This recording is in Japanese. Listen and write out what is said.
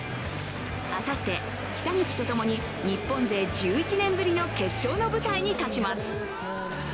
あさって、北口と共に日本勢１１年ぶりの決勝の舞台に立ちます。